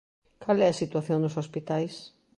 Cal é a situación nos hospitais?